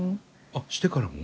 あっしてからも？